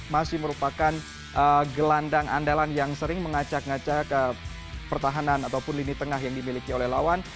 masih merupakan gelandang andalan yang sering mengacak ngacak ke pertahanan ataupun lini tengah yang dimiliki oleh lawan